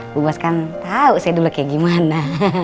bu bos kan tau saya dulu kayak gimana